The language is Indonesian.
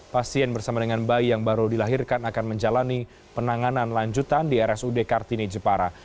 pasien bersama dengan bayi yang baru dilahirkan akan menjalani penanganan lanjutan di rsud kartini jepara